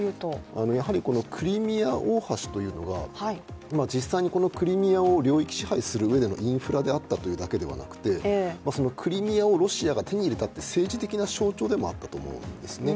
やはりクリミア大橋というのが実際にクリミアを領域支配するうえでのインフラであったというだけではなくてクリミアをロシアが手に入れたという政治的な象徴でもあったんですね。